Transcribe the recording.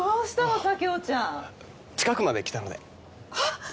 佐京ちゃん近くまで来たのであっ